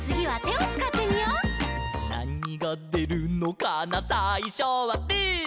「なにがでるのかなさいしょはぶー」